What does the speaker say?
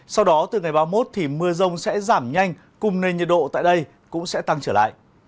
sau đó từ ngày ba mươi một thì mưa rông sẽ giảm nhanh cùng nền nhiệt độ tại đây cũng sẽ tăng trở lại